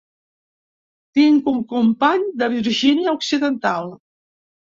Tinc un company de Virgínia Occidental.